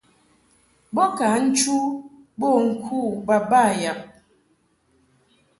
Bo ni nchu mbo ŋku baba yab.